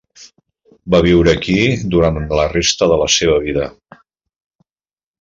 Va viure aquí durant la resta de la seva vida.